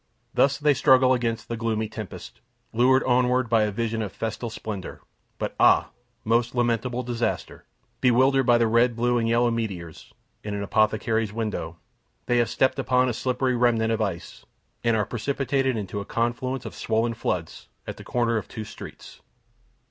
Thus they struggle against the gloomy tempest, lured onward by a vision of festal splendor. But, ah! a most lamentable disaster. Bewildered by the red, blue, and yellow meteors, in an apothecary's window, they have stepped upon a slippery remnant of ice, and are precipitated into a confluence of swollen floods, at the corner of two streets.